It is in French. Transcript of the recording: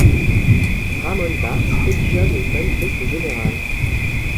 Ramón Barce rédigea le manifeste général.